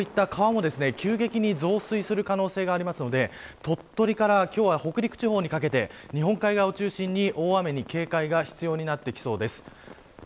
こういった川も急激に増水する可能性がありますので鳥取から北陸地方にかけて日本海側を中心に大雨に警戒が必要になってきそうです。